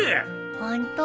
ホント？